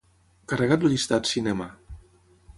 Carrega't el llistat "cinema".